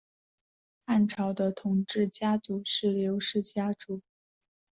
汉朝的统治家族是刘氏家族。